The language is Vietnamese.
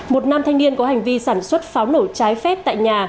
một nam thanh niên có hành vi sản xuất pháo nổ trái phép tại nhà